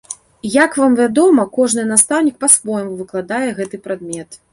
Як вам вядома, кожны настаўнік па-свойму выкладае гэты прадмет.